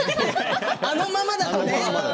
あのままだとね。